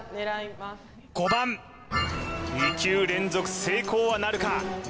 ２球連続成功はなるか？